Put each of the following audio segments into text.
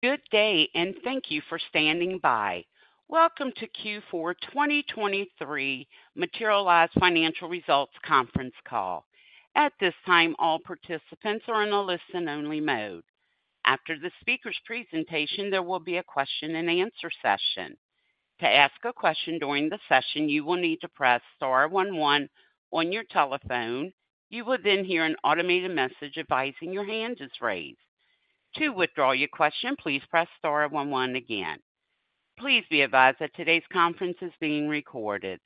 Good day, and thank you for standing by. Welcome to Q4 2023 Materialise Financial Results conference call. At this time, all participants are in a listen-only mode. After the speaker's presentation, there will be a question-and-answer session. To ask a question during the session, you will need to press star 11 on your telephone. You will then hear an automated message advising your hand is raised. To withdraw your question, please press star 11 again. Please be advised that today's conference is being recorded.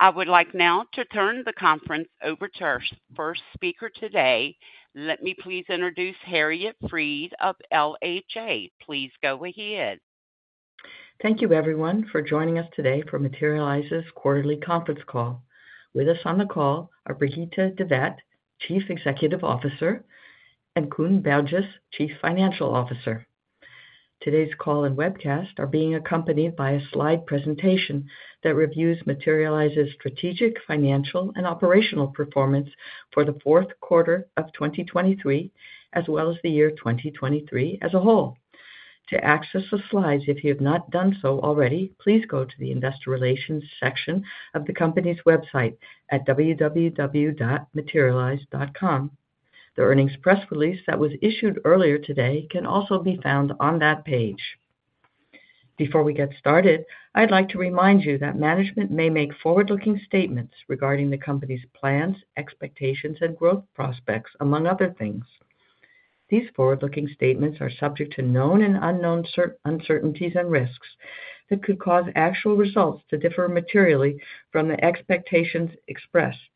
I would like now to turn the conference over to our first speaker today. Let me please introduce Harriet Fried of LHA. Please go ahead. Thank you, everyone, for joining us today for Materialise's quarterly conference call. With us on the call are Brigitte de Vet-Veithen, Chief Executive Officer, and Koen Berges, Chief Financial Officer. Today's call and webcast are being accompanied by a slide presentation that reviews Materialise's strategic, financial, and operational performance for the fourth quarter of 2023, as well as the year 2023 as a whole. To access the slides, if you have not done so already, please go to the Investor Relations section of the company's website at www.materialise.com. The earnings press release that was issued earlier today can also be found on that page. Before we get started, I'd like to remind you that management may make forward-looking statements regarding the company's plans, expectations, and growth prospects, among other things. These forward-looking statements are subject to known and unknown uncertainties and risks that could cause actual results to differ materially from the expectations expressed,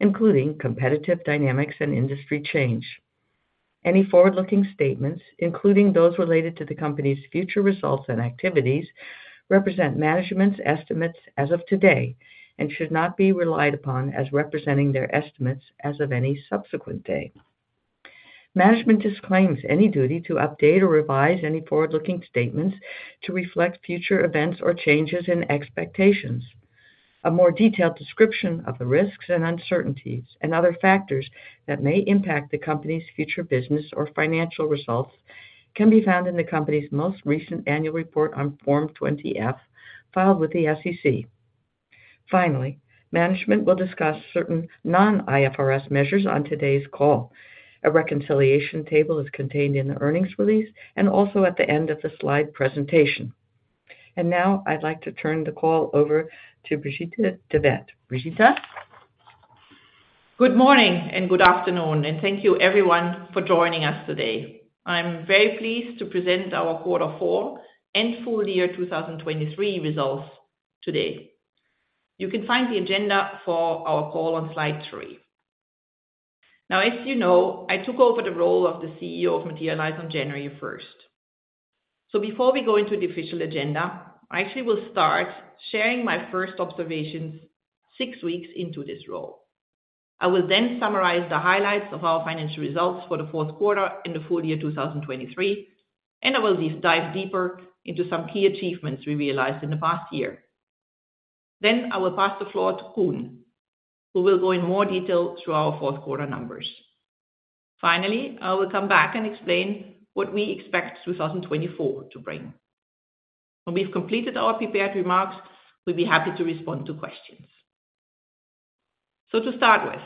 including competitive dynamics and industry change. Any forward-looking statements, including those related to the company's future results and activities, represent management's estimates as of today and should not be relied upon as representing their estimates as of any subsequent day. Management disclaims any duty to update or revise any forward-looking statements to reflect future events or changes in expectations. A more detailed description of the risks and uncertainties and other factors that may impact the company's future business or financial results can be found in the company's most recent annual report on Form 20-F filed with the SEC. Finally, management will discuss certain non-IFRS measures on today's call. A reconciliation table is contained in the earnings release and also at the end of the slide presentation. Now I'd like to turn the call over to Brigitte de Vet-Veithen. Good morning and good afternoon, and thank you, everyone, for joining us today. I'm very pleased to present our Quarter 4 and full year 2023 results today. You can find the agenda for our call on slide 3. Now, as you know, I took over the role of the CEO of Materialise on January 1st. So before we go into the official agenda, I actually will start sharing my first observations six weeks into this role. I will then summarize the highlights of our financial results for the fourth quarter and the full year 2023, and I will dive deeper into some key achievements we realized in the past year. Then I will pass the floor to Koen, who will go in more detail through our fourth quarter numbers. Finally, I will come back and explain what we expect 2024 to bring. When we've completed our prepared remarks, we'll be happy to respond to questions. So to start with,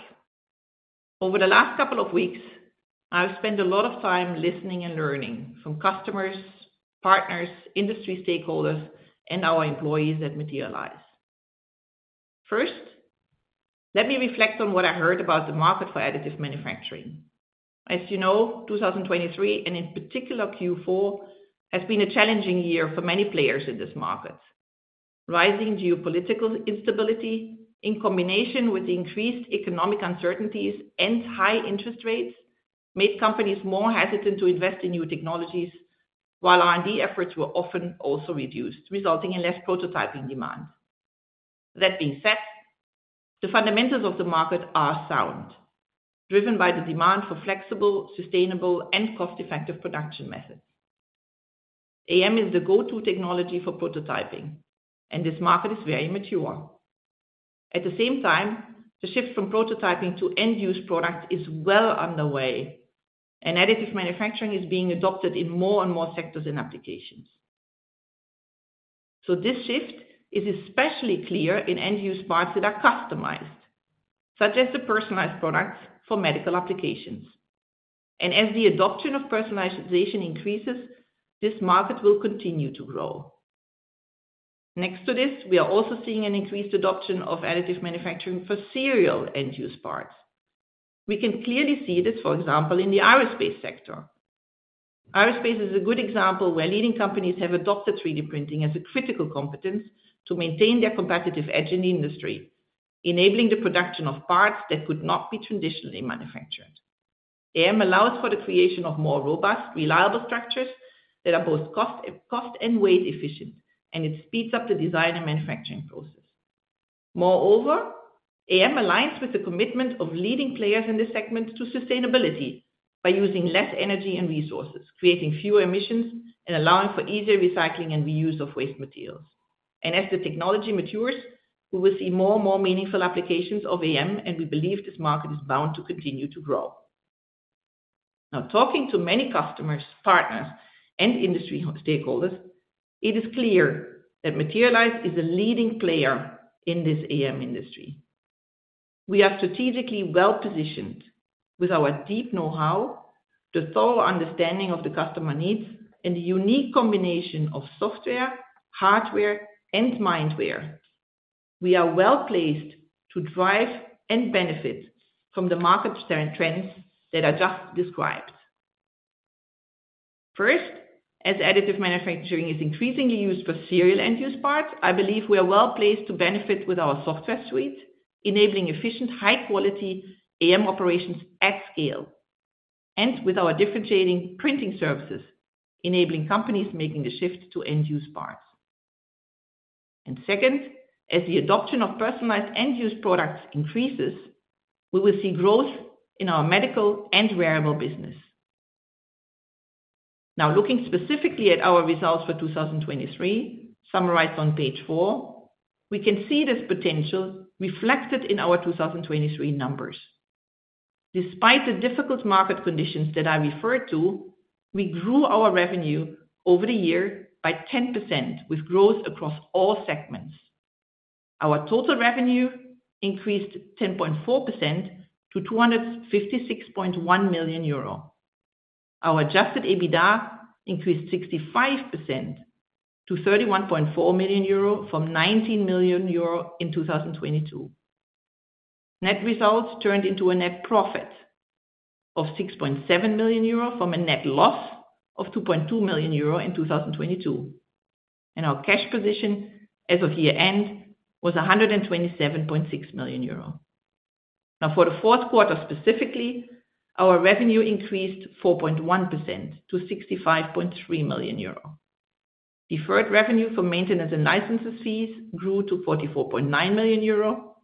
over the last couple of weeks, I've spent a lot of time listening and learning from customers, partners, industry stakeholders, and our employees at Materialise. First, let me reflect on what I heard about the market for additive manufacturing. As you know, 2023, and in particular Q4, has been a challenging year for many players in this market. Rising geopolitical instability in combination with increased economic uncertainties and high interest rates made companies more hesitant to invest in new technologies, while R&D efforts were often also reduced, resulting in less prototyping demand. That being said, the fundamentals of the market are sound, driven by the demand for flexible, sustainable, and cost-effective production methods. AM is the go-to technology for prototyping, and this market is very mature. At the same time, the shift from prototyping to end-use products is well underway, and additive manufacturing is being adopted in more and more sectors and applications. So this shift is especially clear in end-use parts that are customized, such as the personalized products for medical applications. As the adoption of personalization increases, this market will continue to grow. Next to this, we are also seeing an increased adoption of additive manufacturing for serial end-use parts. We can clearly see this, for example, in the aerospace sector. Aerospace is a good example where leading companies have adopted 3D printing as a critical competence to maintain their competitive edge in the industry, enabling the production of parts that could not be traditionally manufactured. AM allows for the creation of more robust, reliable structures that are both cost and weight efficient, and it speeds up the design and manufacturing process. Moreover, AM aligns with the commitment of leading players in this segment to sustainability by using less energy and resources, creating fewer emissions, and allowing for easier recycling and reuse of waste materials. As the technology matures, we will see more and more meaningful applications of AM, and we believe this market is bound to continue to grow. Now, talking to many customers, partners, and industry stakeholders, it is clear that Materialise is a leading player in this AM industry. We are strategically well-positioned with our deep know-how, the thorough understanding of the customer needs, and the unique combination of software, hardware, and mindware. We are well-placed to drive and benefit from the market trends that are just described. First, as additive manufacturing is increasingly used for serial end-use parts, I believe we are well-placed to benefit with our software suite, enabling efficient, high-quality AM operations at scale, and with our differentiating printing services, enabling companies making the shift to end-use parts. Second, as the adoption of personalized end-use products increases, we will see growth in our medical and wearable business. Now, looking specifically at our results for 2023, summarized on page 4, we can see this potential reflected in our 2023 numbers. Despite the difficult market conditions that I referred to, we grew our revenue over the year by 10% with growth across all segments. Our total revenue increased 10.4% to 256.1 million euro. Our adjusted EBITDA increased 65% to 31.4 million euro from 19 million euro in 2022. Net results turned into a net profit of 6.7 million euro from a net loss of 2.2 million euro in 2022. Our cash position as of year-end was 127.6 million euro. Now, for the fourth quarter specifically, our revenue increased 4.1% to 65.3 million euro. Deferred revenue for maintenance and licenses fees grew to 44.9 million euro,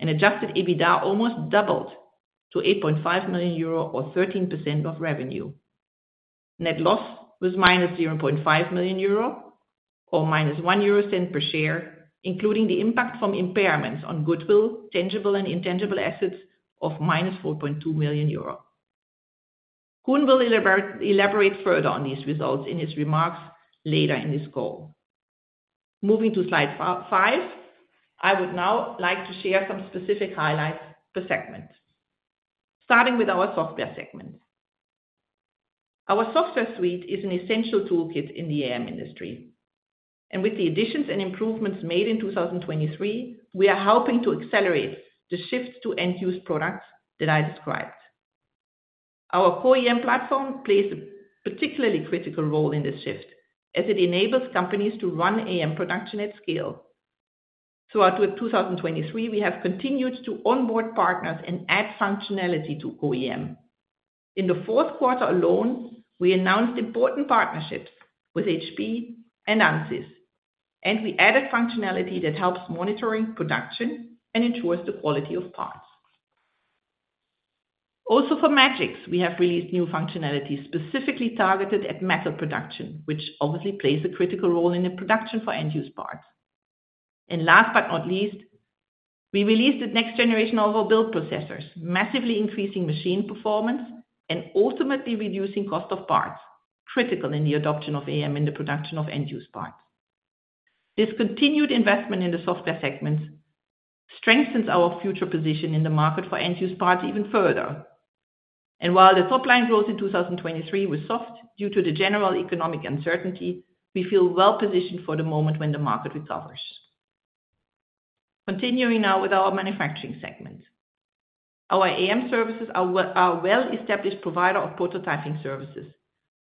and Adjusted EBITDA almost doubled to 8.5 million euro or 13% of revenue. Net loss was -0.5 million euro or -0.01 per share, including the impact from impairments on goodwill, tangible, and intangible assets of -4.2 million euros. Koen will elaborate further on these results in his remarks later in this call. Moving to slide 5, I would now like to share some specific highlights per segment, starting with our software segment. Our software suite is an essential toolkit in the AM industry. With the additions and improvements made in 2023, we are helping to accelerate the shift to end-use products that I described. Our CO-AM platform plays a particularly critical role in this shift as it enables companies to run AM production at scale. Throughout 2023, we have continued to onboard partners and add functionality to CO-AM. In the fourth quarter alone, we announced important partnerships with HP and Ansys, and we added functionality that helps monitoring production and ensures the quality of parts. Also, for Magics, we have released new functionality specifically targeted at metal production, which obviously plays a critical role in the production for end-use parts. And last but not least, we released the next generation of our Build Processors, massively increasing machine performance and ultimately reducing cost of parts, critical in the adoption of AM in the production of end-use parts. This continued investment in the software segments strengthens our future position in the market for end-use parts even further. While the top line growth in 2023 was soft due to the general economic uncertainty, we feel well-positioned for the moment when the market recovers. Continuing now with our manufacturing segment. Our AM services are a well-established provider of prototyping services,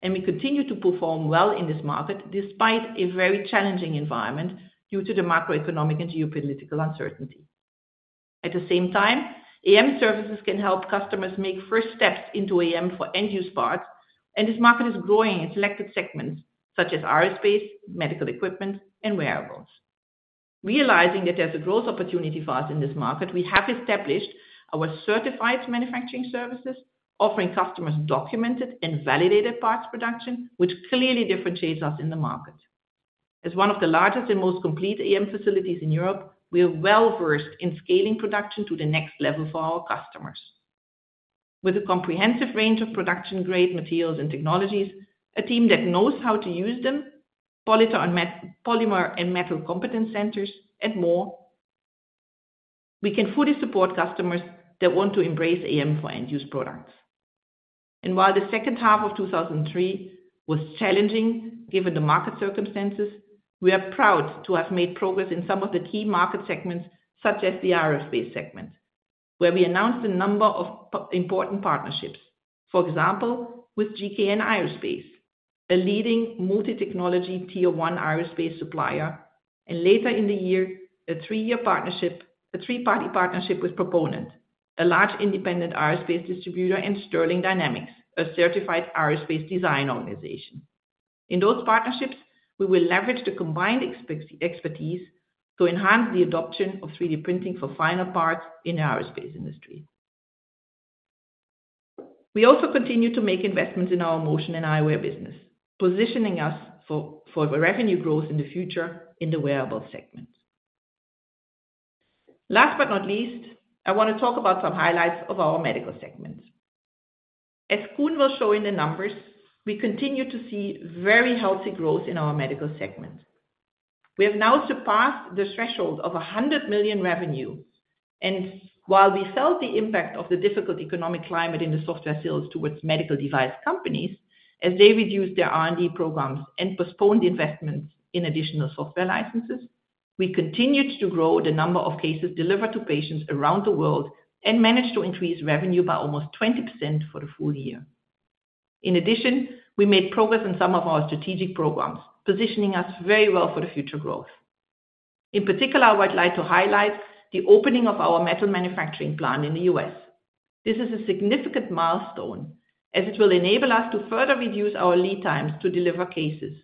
and we continue to perform well in this market despite a very challenging environment due to the macroeconomic and geopolitical uncertainty. At the same time, AM services can help customers make first steps into AM for end-use parts, and this market is growing in selected segments such as aerospace, medical equipment, and wearables. Realizing that there's a growth opportunity for us in this market, we have established our certified manufacturing services offering customers documented and validated parts production, which clearly differentiates us in the market. As one of the largest and most complete AM facilities in Europe, we are well-versed in scaling production to the next level for our customers. With a comprehensive range of production-grade materials and technologies, a team that knows how to use them, polymer and metal competence centers, and more, we can fully support customers that want to embrace AM for end-use products. While the second half of 2003 was challenging given the market circumstances, we are proud to have made progress in some of the key market segments such as the aerospace segment, where we announced a number of important partnerships. For example, with GKN Aerospace, a leading multi-technology tier 1 aerospace supplier, and later in the year, a 3-year partnership, a 3-party partnership with Proponent, a large independent aerospace distributor, and Sterling Dynamics, a certified aerospace design organization. In those partnerships, we will leverage the combined expertise to enhance the adoption of 3D printing for final parts in the aerospace industry. We also continue to make investments in our motion and eyewear business, positioning us for revenue growth in the future in the wearable segment. Last but not least, I want to talk about some highlights of our medical segment. As Koen will show in the numbers, we continue to see very healthy growth in our medical segment. We have now surpassed the threshold of 100 million revenue. While we felt the impact of the difficult economic climate in the software sales towards medical device companies, as they reduced their R&D programs and postponed investments in additional software licenses, we continued to grow the number of cases delivered to patients around the world and managed to increase revenue by almost 20% for the full year. In addition, we made progress in some of our strategic programs, positioning us very well for the future growth. In particular, I would like to highlight the opening of our metal manufacturing plant in the U.S. This is a significant milestone as it will enable us to further reduce our lead times to deliver cases,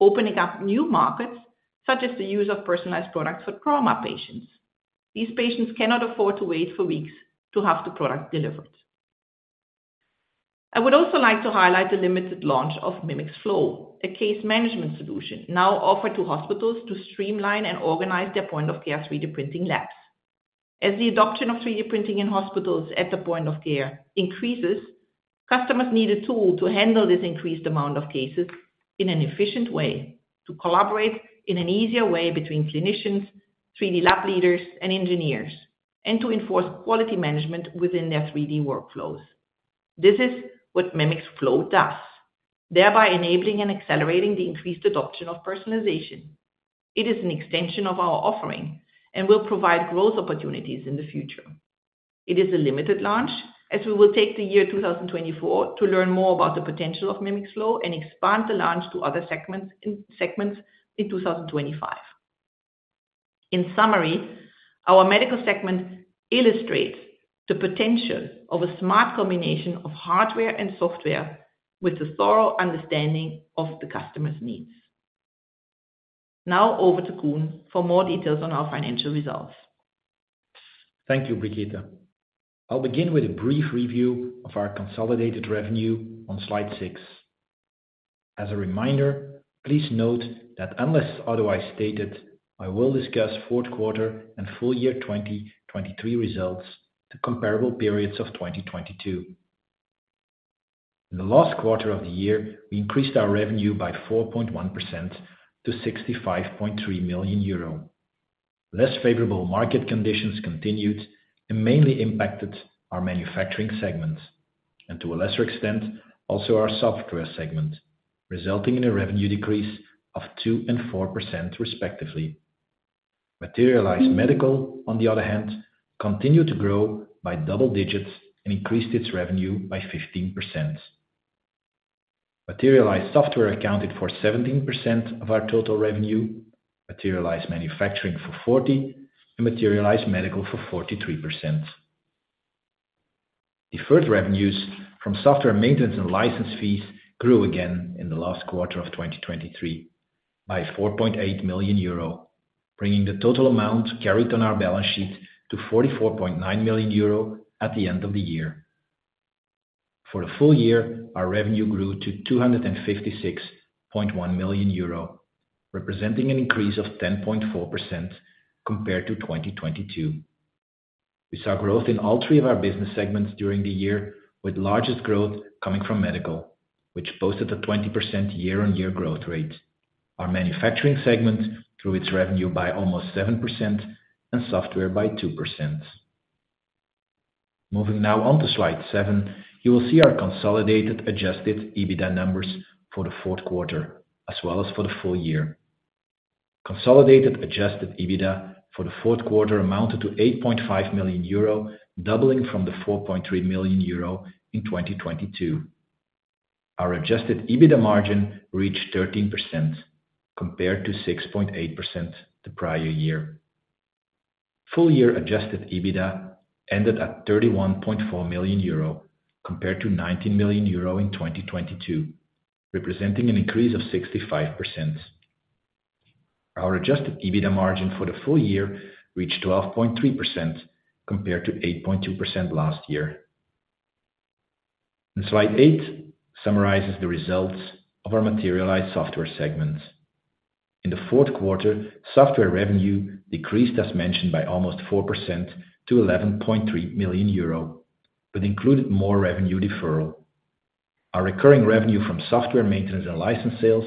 opening up new markets such as the use of personalized products for trauma patients. These patients cannot afford to wait for weeks to have the product delivered. I would also like to highlight the limited launch of Mimics Flow, a case management solution now offered to hospitals to streamline and organize their point-of-care 3D printing labs. As the adoption of 3D printing in hospitals at the point of care increases, customers need a tool to handle this increased amount of cases in an efficient way, to collaborate in an easier way between clinicians, 3D lab leaders, and engineers, and to enforce quality management within their 3D workflows. This is what Mimics Flow does, thereby enabling and accelerating the increased adoption of personalization. It is an extension of our offering and will provide growth opportunities in the future. It is a limited launch as we will take the year 2024 to learn more about the potential of Mimics Flow and expand the launch to other segments in 2025. In summary, our medical segment illustrates the potential of a smart combination of hardware and software with a thorough understanding of the customer's needs. Now over to Koen for more details on our financial results. Thank you, Brigitte. I'll begin with a brief review of our consolidated revenue on Slide 6. As a reminder, please note that unless otherwise stated, I will discuss fourth quarter and full year 2023 results to comparable periods of 2022. In the last quarter of the year, we increased our revenue by 4.1% to 65.3 million euro. Less favorable market conditions continued and mainly impacted our manufacturing segment and, to a lesser extent, also our software segment, resulting in a revenue decrease of 2% and 4% respectively. Materialise Medical, on the other hand, continued to grow by double digits and increased its revenue by 15%. Materialise Software accounted for 17% of our total revenue, Materialise Manufacturing for 40%, and Materialise Medical for 43%. Deferred revenues from software maintenance and license fees grew again in the last quarter of 2023 by 4.8 million euro, bringing the total amount carried on our balance sheet to 44.9 million euro at the end of the year. For the full year, our revenue grew to 256.1 million euro, representing an increase of 10.4% compared to 2022. We saw growth in all three of our business segments during the year, with largest growth coming from medical, which boasted a 20% year-on-year growth rate, our manufacturing segment through its revenue by almost 7%, and software by 2%. Moving now on to slide 7, you will see our consolidated adjusted EBITDA numbers for the fourth quarter as well as for the full year. Consolidated adjusted EBITDA for the fourth quarter amounted to 8.5 million euro, doubling from the 4.3 million euro in 2022. Our adjusted EBITDA margin reached 13% compared to 6.8% the prior year. Full-year adjusted EBITDA ended at 31.4 million euro compared to 19 million euro in 2022, representing an increase of 65%. Our adjusted EBITDA margin for the full year reached 12.3% compared to 8.2% last year. Slide 8 summarizes the results of our Materialise Software segment. In the fourth quarter, software revenue decreased, as mentioned, by almost 4% to 11.3 million euro, but included more revenue deferral. Our recurring revenue from software maintenance and license sales,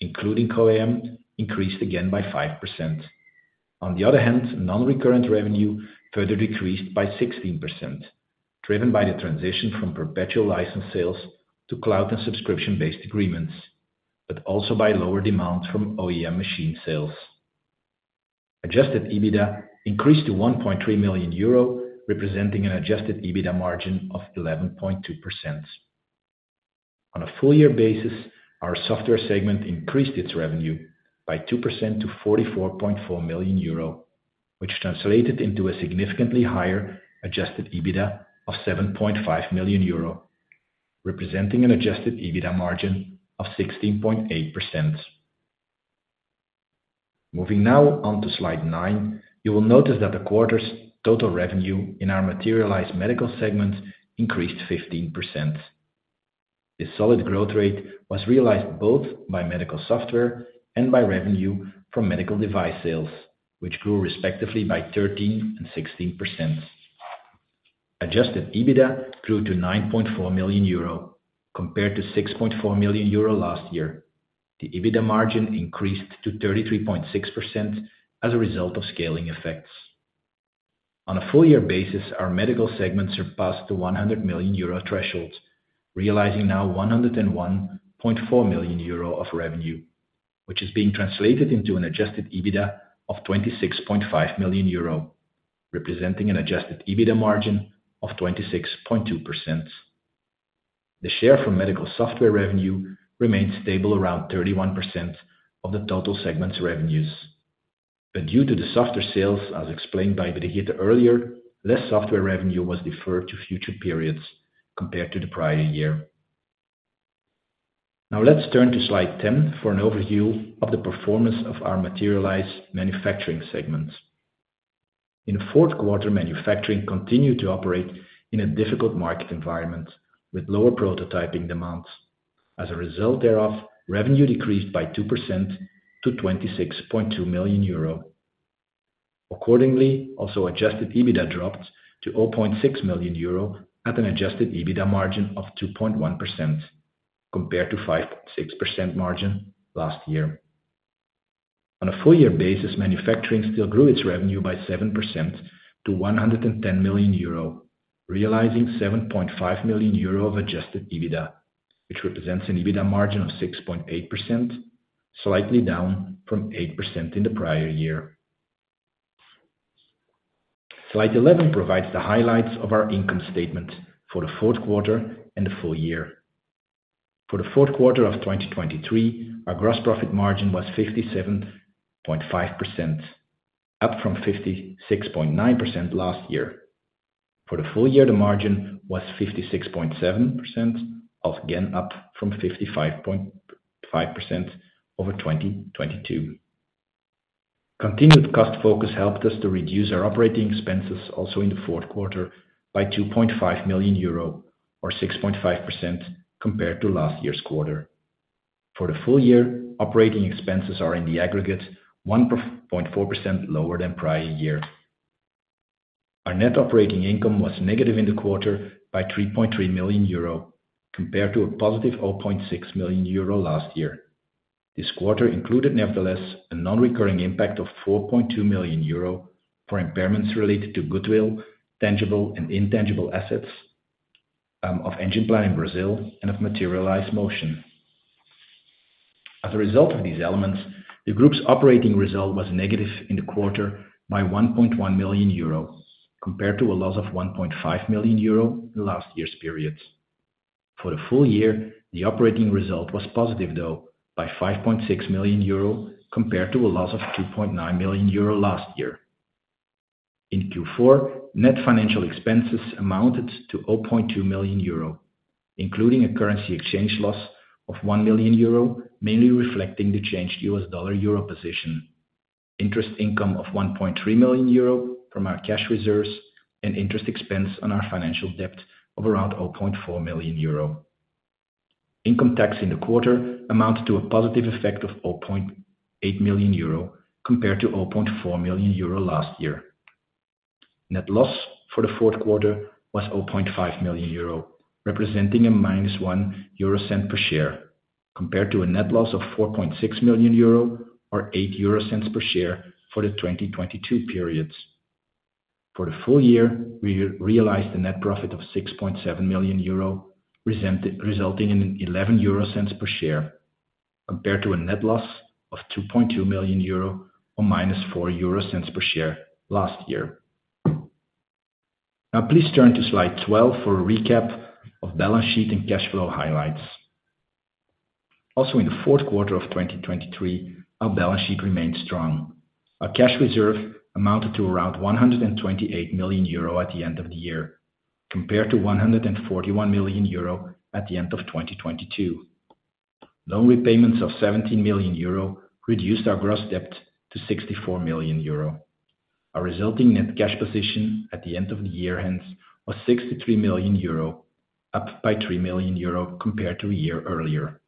including CO-AM, increased again by 5%. On the other hand, non-recurrent revenue further decreased by 16%, driven by the transition from perpetual license sales to cloud and subscription-based agreements, but also by lower demand from OEM machine sales. Adjusted EBITDA increased to 1.3 million euro, representing an adjusted EBITDA margin of 11.2%. On a full-year basis, our software segment increased its revenue by 2% to 44.4 million euro, which translated into a significantly higher adjusted EBITDA of 7.5 million euro, representing an adjusted EBITDA margin of 16.8%. Moving now on to slide 9, you will notice that the quarter's total revenue in our Materialise Medical segment increased 15%. This solid growth rate was realized both by medical software and by revenue from medical device sales, which grew respectively by 13% and 16%. Adjusted EBITDA grew to 9.4 million euro compared to 6.4 million euro last year. The EBITDA margin increased to 33.6% as a result of scaling effects. On a full-year basis, our medical segment surpassed the 100 million euro threshold, realizing now 101.4 million euro of revenue, which is being translated into an adjusted EBITDA of 26.5 million euro, representing an adjusted EBITDA margin of 26.2%. The share from medical software revenue remained stable around 31% of the total segment's revenues. But due to the softer sales, as explained by Brigitte earlier, less software revenue was deferred to future periods compared to the prior year. Now let's turn to slide 10 for an overview of the performance of our Materialise Manufacturing segment. In the fourth quarter, manufacturing continued to operate in a difficult market environment with lower prototyping demands. As a result thereof, revenue decreased by 2% to 26.2 million euro. Accordingly, also Adjusted EBITDA dropped to 0.6 million euro at an Adjusted EBITDA margin of 2.1% compared to a 5.6% margin last year. On a full-year basis, manufacturing still grew its revenue by 7% to 110 million euro, realizing 7.5 million euro of Adjusted EBITDA, which represents an EBITDA margin of 6.8%, slightly down from 8% in the prior year. Slide 11 provides the highlights of our income statement for the fourth quarter and the full year. For the fourth quarter of 2023, our gross profit margin was 57.5%, up from 56.9% last year. For the full year, the margin was 56.7%, again up from 55.5% over 2022. Continued cost focus helped us to reduce our operating expenses also in the fourth quarter by 2.5 million euro or 6.5% compared to last year's quarter. For the full year, operating expenses are in the aggregate 1.4% lower than prior year. Our net operating income was negative in the quarter by 3.3 million euro compared to a positive 0.6 million euro last year. This quarter included nevertheless a non-recurring impact of 4.2 million euro for impairments related to goodwill, tangible and intangible assets of Engimplan in Brazil, and of Materialise Motion. As a result of these elements, the group's operating result was negative in the quarter by 1.1 million euro compared to a loss of 1.5 million euro in the last year's period. For the full year, the operating result was positive, though, by 5.6 million euro compared to a loss of 2.9 million euro last year. In Q4, net financial expenses amounted to 0.2 million euro, including a currency exchange loss of 1 million euro, mainly reflecting the changed USD/EUR position, interest income of 1.3 million euro from our cash reserves, and interest expense on our financial debt of around 0.4 million euro. Income tax in the quarter amounted to a positive effect of 0.8 million euro compared to 0.4 million euro last year. Net loss for the fourth quarter was 0.5 million euro, representing a -0.01 per share compared to a net loss of 4.6 million euro or 0.08 per share for the 2022 periods. For the full year, we realized a net profit of 6.7 million euro, resulting in an EUR 0.11 per share compared to a net loss of 2.2 million euro or minus 0.04 per share last year. Now please turn to slide 12 for a recap of balance sheet and cash flow highlights. Also, in the fourth quarter of 2023, our balance sheet remained strong. Our cash reserve amounted to around 128 million euro at the end of the year compared to 141 million euro at the end of 2022. Loan repayments of 17 million euro reduced our gross debt to 64 million euro. Our resulting net cash position at the end of the year, hence, was 63 million euro, up by 3 million euro compared to a year earlier.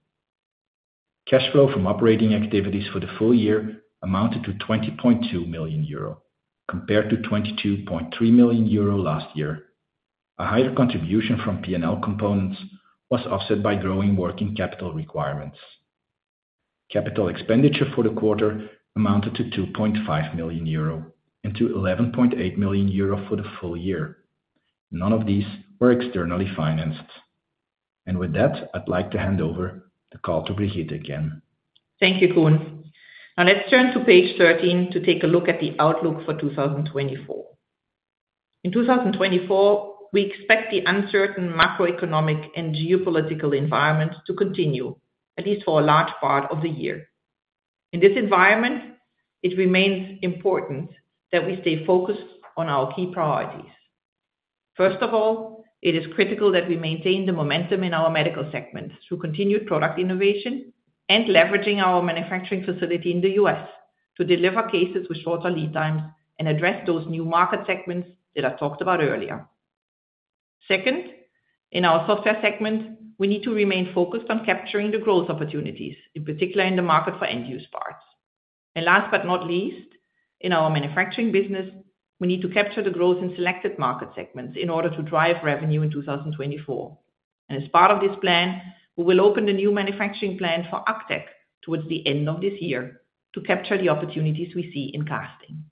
Cash flow from operating activities for the full year amounted to 20.2 million euro compared to 22.3 million euro last year. A higher contribution from P&L components was offset by growing working capital requirements. Capital expenditure for the quarter amounted to 2.5 million euro and to 11.8 million euro for the full year. None of these were externally financed. With that, I'd like to hand over the call to Brigitte again. Thank you, Koen. Now let's turn to page 13 to take a look at the outlook for 2024. In 2024, we expect the uncertain macroeconomic and geopolitical environment to continue, at least for a large part of the year. In this environment, it remains important that we stay focused on our key priorities. First of all, it is critical that we maintain the momentum in our medical segment through continued product innovation and leveraging our manufacturing facility in the U.S. to deliver cases with shorter lead times and address those new market segments that I talked about earlier. Second, in our software segment, we need to remain focused on capturing the growth opportunities, in particular in the market for end-use parts. And last but not least, in our manufacturing business, we need to capture the growth in selected market segments in order to drive revenue in 2024. And as part of this plan, we will open the new manufacturing plant for ACTech towards the end of this year to capture the opportunities we see in casting.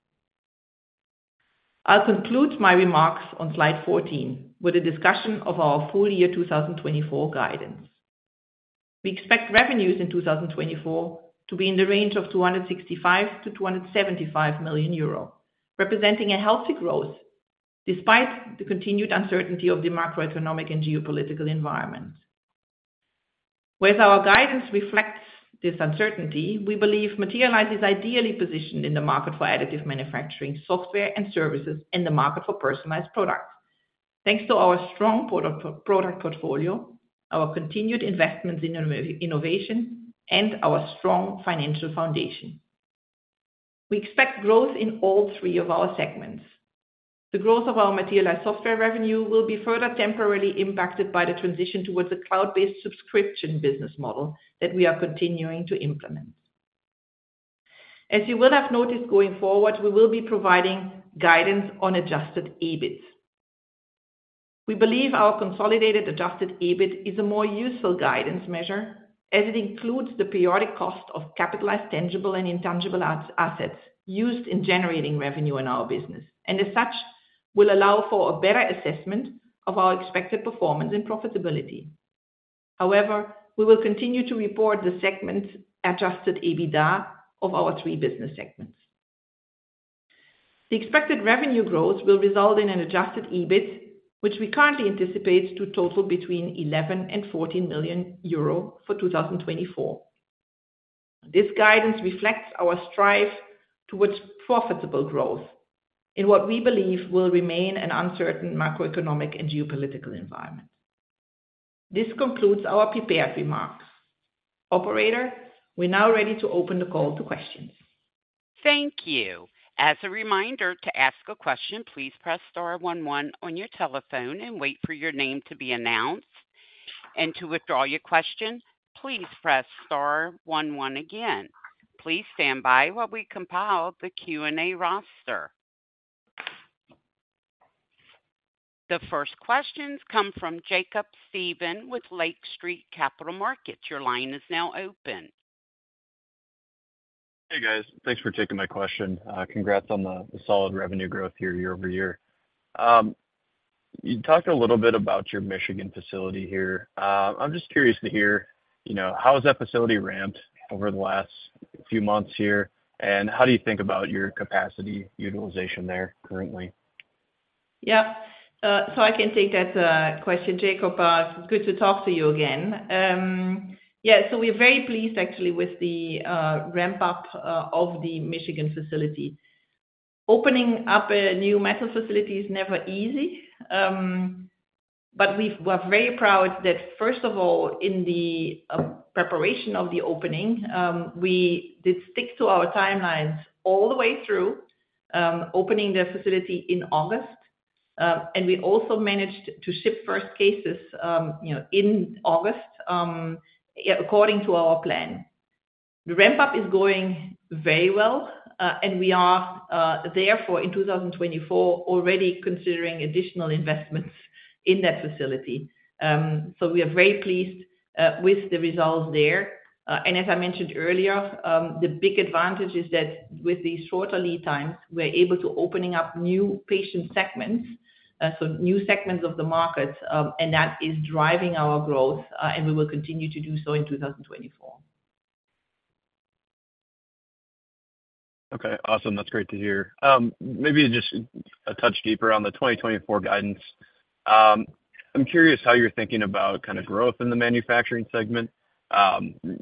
I'll conclude my remarks on slide 14 with a discussion of our full year 2024 guidance. We expect revenues in 2024 to be in the range of 265 million-275 million euro, representing a healthy growth despite the continued uncertainty of the macroeconomic and geopolitical environment. Whereas our guidance reflects this uncertainty, we believe Materialise is ideally positioned in the market for additive manufacturing software and services and the market for personalized products, thanks to our strong product portfolio, our continued investments in innovation, and our strong financial foundation. We expect growth in all three of our segments. The growth of our Materialise Software revenue will be further temporarily impacted by the transition towards a cloud-based subscription business model that we are continuing to implement. As you will have noticed going forward, we will be providing guidance on adjusted EBIT. We believe our consolidated adjusted EBIT is a more useful guidance measure as it includes the periodic cost of capitalized tangible and intangible assets used in generating revenue in our business, and as such, will allow for a better assessment of our expected performance and profitability. However, we will continue to report the segment Adjusted EBITDA of our three business segments. The expected revenue growth will result in an Adjusted EBIT, which we currently anticipate to total between 11 million and 14 million euro for 2024. This guidance reflects our strive towards profitable growth in what we believe will remain an uncertain macroeconomic and geopolitical environment. This concludes our prepared remarks. Operator, we're now ready to open the call to questions. Thank you. As a reminder, to ask a question, please press star 11 on your telephone and wait for your name to be announced. And to withdraw your question, please press star 11 again. Please stand by while we compile the Q&A roster. The first questions come from Jacob Stephan with Lake Street Capital Markets. Your line is now open. Hey, guys. Thanks for taking my question. Congrats on the solid revenue growth here year-over-year. You talked a little bit about your Michigan facility here. I'm just curious to hear, how has that facility ramped over the last few months here, and how do you think about your capacity utilization there currently? Yep. So I can take that question, Jacob. It's good to talk to you again. Yeah. So we're very pleased, actually, with the ramp-up of the Michigan facility. Opening up a new metal facility is never easy, but we're very proud that, first of all, in the preparation of the opening, we did stick to our timelines all the way through, opening the facility in August. And we also managed to ship first cases in August according to our plan. The ramp-up is going very well, and we are therefore, in 2024, already considering additional investments in that facility. So we are very pleased with the results there. And as I mentioned earlier, the big advantage is that with these shorter lead times, we're able to open up new patient segments, so new segments of the market, and that is driving our growth, and we will continue to do so in 2024. Okay. Awesome. That's great to hear. Maybe just a touch deeper on the 2024 guidance. I'm curious how you're thinking about kind of growth in the manufacturing segment.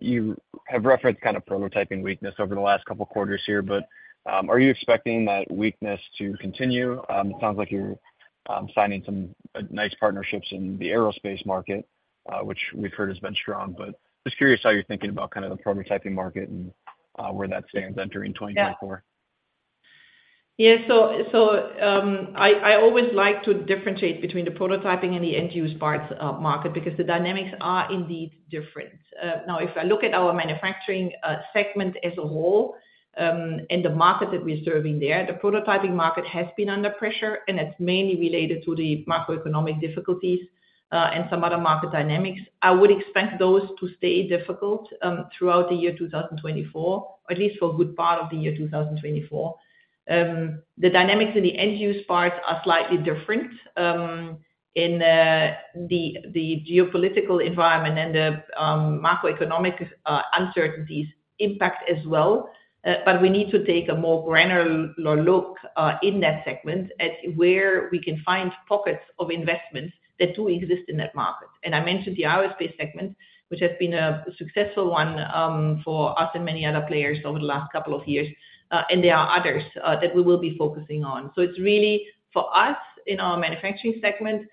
You have referenced kind of prototyping weakness over the last couple of quarters here, but are you expecting that weakness to continue? It sounds like you're signing some nice partnerships in the aerospace market, which we've heard has been strong, but just curious how you're thinking about kind of the prototyping market and where that stands entering 2024. Yeah. Yeah. So I always like to differentiate between the prototyping and the end-use parts market because the dynamics are indeed different. Now, if I look at our manufacturing segment as a whole and the market that we're serving there, the prototyping market has been under pressure, and that's mainly related to the macroeconomic difficulties and some other market dynamics. I would expect those to stay difficult throughout the year 2024, or at least for a good part of the year 2024. The dynamics in the end-use parts are slightly different. In the geopolitical environment and the macroeconomic uncertainties impact as well, but we need to take a more granular look in that segment at where we can find pockets of investments that do exist in that market. I mentioned the aerospace segment, which has been a successful one for us and many other players over the last couple of years, and there are others that we will be focusing on. It's really for us in our manufacturing segment,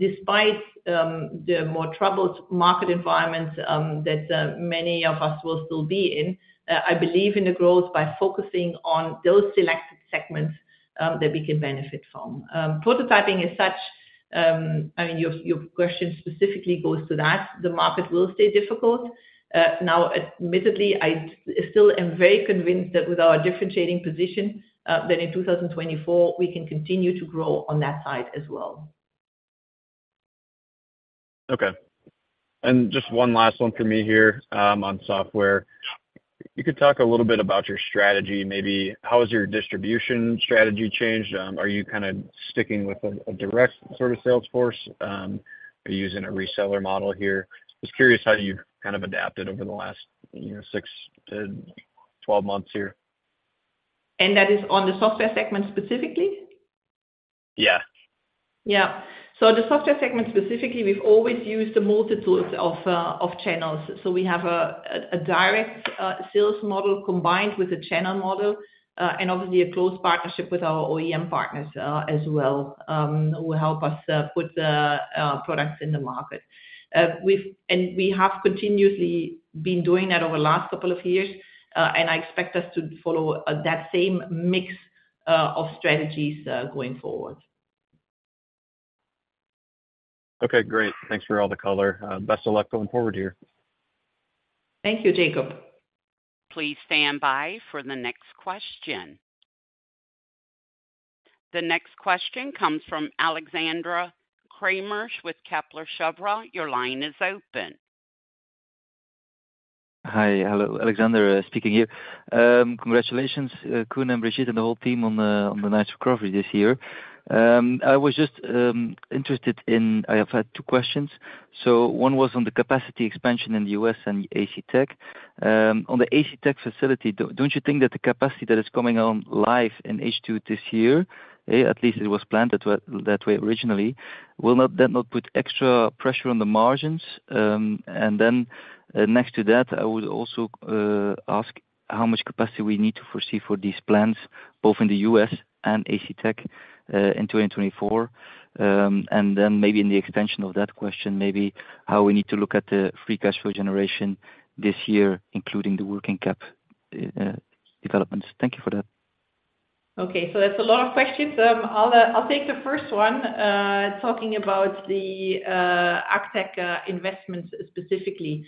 despite the more troubled market environments that many of us will still be in. I believe in the growth by focusing on those selected segments that we can benefit from. Prototyping as such, I mean, your question specifically goes to that. The market will stay difficult. Now, admittedly, I still am very convinced that with our differentiating position, that in 2024, we can continue to grow on that side as well. Okay. And just one last one for me here on software. You could talk a little bit about your strategy. Maybe how has your distribution strategy changed? Are you kind of sticking with a direct sort of Salesforce? Are you using a reseller model here? Just curious how you've kind of adapted over the last 6-12 months here. And that is on the software segment specifically? Yeah. Yeah. So the software segment specifically, we've always used a multitude of channels. So we have a direct sales model combined with a channel model and obviously a close partnership with our OEM partners as well who help us put products in the market. And we have continuously been doing that over the last couple of years, and I expect us to follow that same mix of strategies going forward. Okay. Great. Thanks for all the color. Best of luck going forward here. Thank you, Jacob. Please stand by for the next question. The next question comes from Alexander Kramers with Kepler Cheuvreux. Your line is open. Hi. Hello. Alexandra speaking here. Congratulations, Koen and Brigitte, and the whole team on the nice recovery this year. I was just interested in. I have had two questions. So one was on the capacity expansion in the US and ACTech. On the ACTech facility, don't you think that the capacity that is coming online in H2 this year, at least it was planned that way originally, will that not put extra pressure on the margins? And then next to that, I would also ask how much capacity we need to foresee for these plans, both in the US and ACTech, in 2024. And then maybe in the extension of that question, maybe how we need to look at the free cash flow generation this year, including the working cap developments. Thank you for that. Okay. So that's a lot of questions. I'll take the first one talking about the ACTech investments specifically.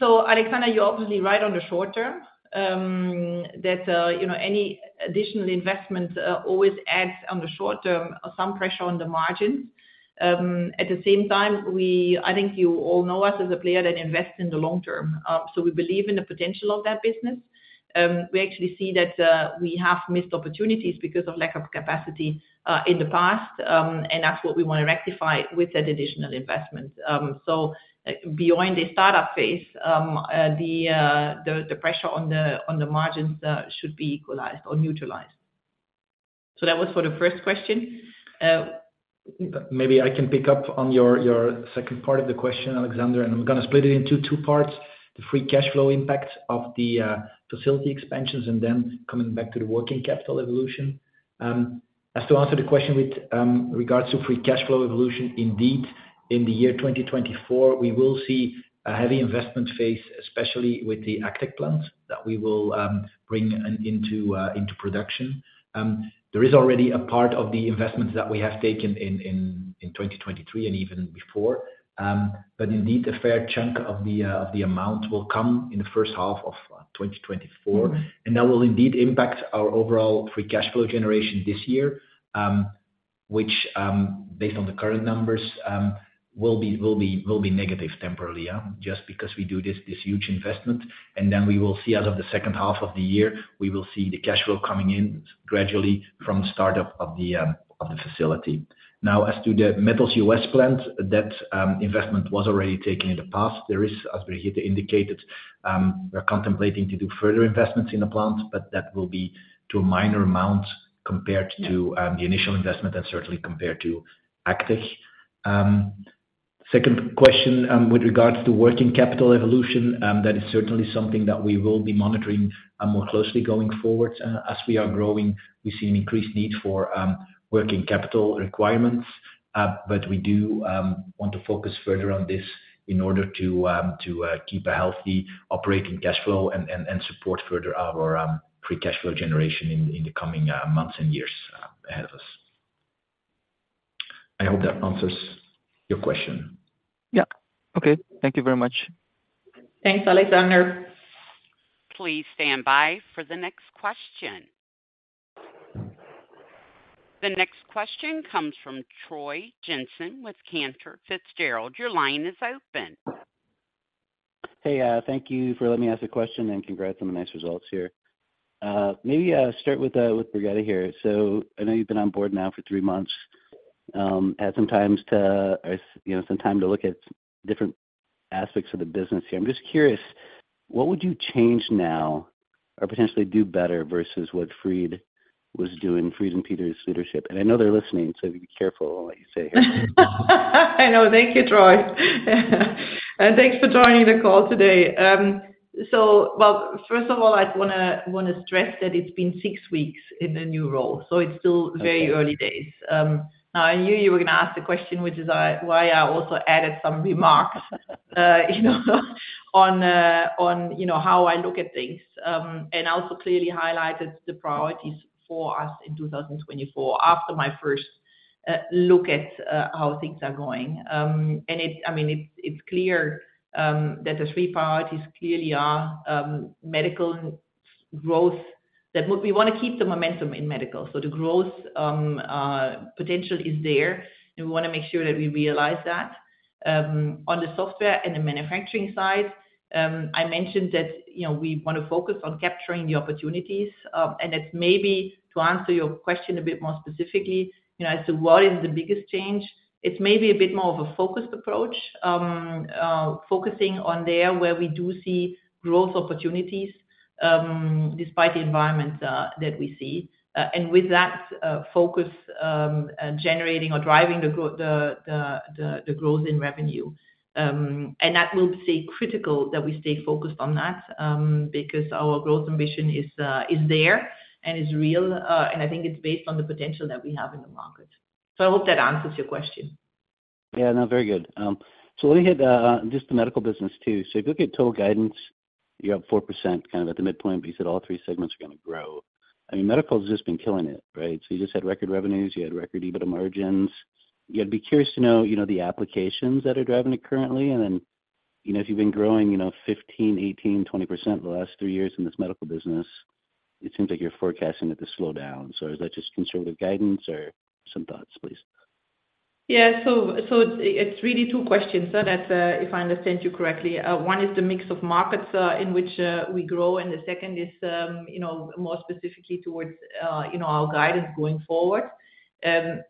So Alexander, you're obviously right on the short term that any additional investment always adds on the short term some pressure on the margins. At the same time, I think you all know us as a player that invests in the long term. So we believe in the potential of that business. We actually see that we have missed opportunities because of lack of capacity in the past, and that's what we want to rectify with that additional investment. So beyond the startup phase, the pressure on the margins should be equalized or neutralized. So that was for the first question. Maybe I can pick up on your second part of the question, Alexander, and I'm going to split it into two parts, the free cash flow impact of the facility expansions and then coming back to the working capital evolution. As to answer the question with regards to free cash flow evolution, indeed, in the year 2024, we will see a heavy investment phase, especially with the ACTech plants that we will bring into production. There is already a part of the investments that we have taken in 2023 and even before, but indeed, a fair chunk of the amount will come in the first half of 2024, and that will indeed impact our overall free cash flow generation this year, which, based on the current numbers, will be negative temporarily just because we do this huge investment. And then we will see out of the second half of the year, we will see the cash flow coming in gradually from the startup of the facility. Now, as to the Metals U.S. plant, that investment was already taken in the past. There is, as Brigitte indicated, we're contemplating to do further investments in the plant, but that will be to a minor amount compared to the initial investment and certainly compared to ACTech. Second question with regards to working capital evolution, that is certainly something that we will be monitoring more closely going forward. As we are growing, we see an increased need for working capital requirements, but we do want to focus further on this in order to keep a healthy operating cash flow and support further our free cash flow generation in the coming months and years ahead of us. I hope that answers your question. Yep. Okay. Thank you very much. Thanks, Alexandra. Please stand by for the next question. The next question comes from Troy Jensen with Cantor Fitzgerald. Your line is open. Hey. Thank you for letting me ask the question and congrats on the nice results here. Maybe start with Brigitte here. So I know you've been on board now for three months. Had some time to or some time to look at different aspects of the business here. I'm just curious, what would you change now or potentially do better versus what Fried was doing, Fried and Peter's leadership? And I know they're listening, so be careful on what you say here. I know. Thank you, Troy. And thanks for joining the call today. So, well, first of all, I want to stress that it's been six weeks in the new role, so it's still very early days. Now, I knew you were going to ask the question, which is why I also added some remarks on how I look at things and also clearly highlighted the priorities for us in 2024 after my first look at how things are going. And I mean, it's clear that the three priorities clearly are medical growth that we want to keep the momentum in medical. So the growth potential is there, and we want to make sure that we realize that. On the software and the manufacturing side, I mentioned that we want to focus on capturing the opportunities. That's maybe, to answer your question a bit more specifically, as to what is the biggest change, it's maybe a bit more of a focused approach, focusing on there where we do see growth opportunities despite the environment that we see, and with that focus generating or driving the growth in revenue. That will stay critical that we stay focused on that because our growth ambition is there and is real, and I think it's based on the potential that we have in the market. I hope that answers your question. Yeah. No. Very good. Let me hit just the medical business too. If you look at total guidance, you're up 4% kind of at the midpoint, but you said all three segments are going to grow. I mean, medical has just been killing it, right? You just had record revenues. You had record EBITDA margins. You'd be curious to know the applications that are driving it currently. And then if you've been growing 15%, 18%, 20% the last three years in this medical business, it seems like you're forecasting that this slowdown. So is that just conservative guidance or some thoughts, please? Yeah. So it's really two questions, if I understand you correctly. One is the mix of markets in which we grow, and the second is more specifically towards our guidance going forward.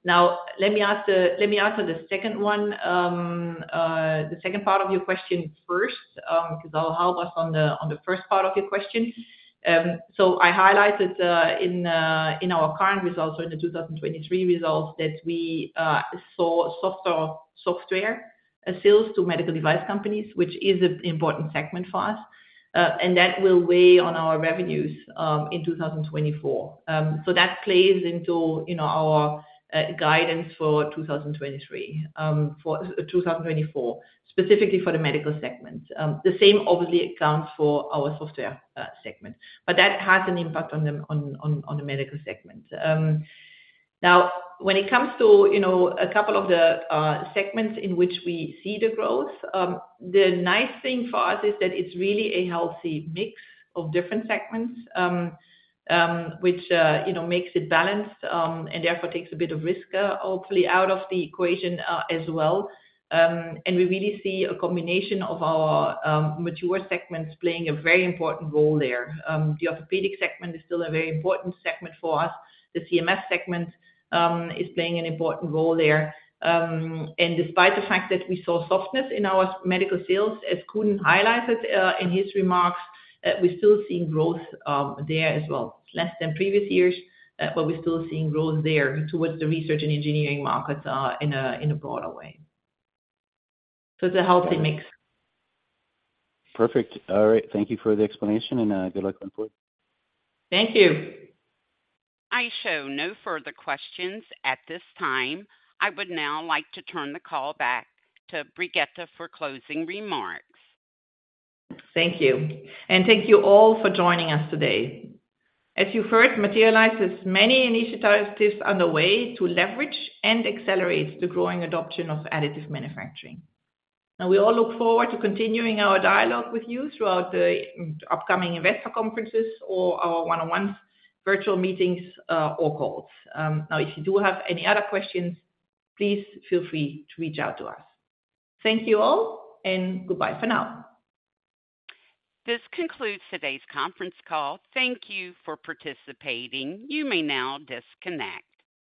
Now, let me answer the second one, the second part of your question first because that'll help us on the first part of your question. So I highlighted in our current results, so in the 2023 results, that we saw software sales to medical device companies, which is an important segment for us, and that will weigh on our revenues in 2024. So that plays into our guidance for 2024, specifically for the medical segment. The same, obviously, accounts for our software segment, but that has an impact on the medical segment. Now, when it comes to a couple of the segments in which we see the growth, the nice thing for us is that it's really a healthy mix of different segments, which makes it balanced and therefore takes a bit of risk, hopefully, out of the equation as well. And we really see a combination of our mature segments playing a very important role there. The orthopedic segment is still a very important segment for us. The CMF segment is playing an important role there. And despite the fact that we saw softness in our medical sales, as Koen highlighted in his remarks, we're still seeing growth there as well. It's less than previous years, but we're still seeing growth there towards the research and engineering markets in a broader way. So it's a healthy mix. Perfect. All right. Thank you for the explanation, and good luck going forward. Thank you. I show no further questions at this time. I would now like to turn the call back to Brigitte for closing remarks. Thank you. And thank you all for joining us today. As you've heard, Materialise has many initiatives underway to leverage and accelerate the growing adoption of additive manufacturing. Now, we all look forward to continuing our dialogue with you throughout the upcoming investor conferences or our one-on-ones virtual meetings or calls. Now, if you do have any other questions, please feel free to reach out to us. Thank you all, and goodbye for now. This concludes today's conference call. Thank you for participating. You may now disconnect.